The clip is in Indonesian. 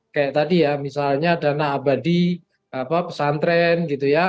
kayak tadi ya misalnya dana abadi pesantren gitu ya